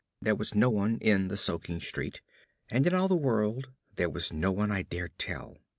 There was no one in the soaking street, and in all the world there was no one I dared tell.